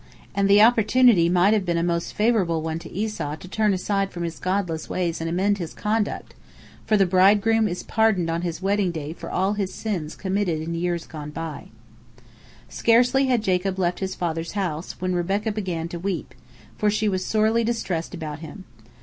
And the opportunity might have been a most favorable one for Esau to turn aside from his godless ways and amend his conduct, for the bridegroom is pardoned on his wedding day for all his sins committed in years gone by. Scarcely had Jacob left his father's house, when Rebekah began to weep, for she was sorely distressed about him.